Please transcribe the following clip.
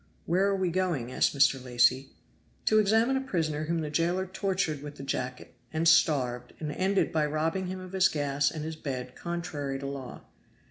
"Where are we going?" asked Mr. Lacy. "To examine a prisoner whom the jailer tortured with the jacket, and starved, and ended by robbing him of his gas and his bed contrary to law.